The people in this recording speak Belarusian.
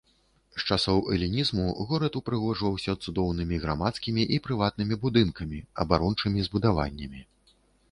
З часоў элінізму горад упрыгожваўся цудоўнымі грамадскімі і прыватнымі будынкамі, абарончымі збудаваннямі.